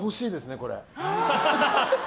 これ。